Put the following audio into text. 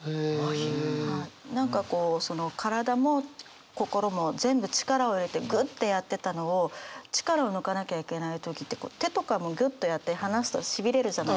何かこうその身体も心も全部力を入れてグッてやってたのを力を抜かなきゃいけない時って手とかもギュッとやって離すとしびれるじゃないですか。